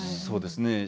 そうですね。